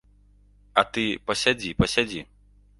А ты пасядзі, пасядзі.